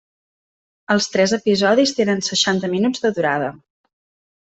Els tres episodis tenen seixanta minuts de durada.